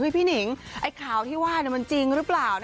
หนิงไอ้ข่าวที่ว่ามันจริงหรือเปล่า